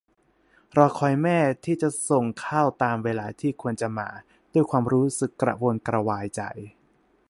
รอคอยแม่ที่จะมาส่งข้าวตามเวลาที่ควรจะมา ด้วยความรู้สึกกระวนกระวายใจ